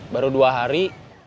baru dua hari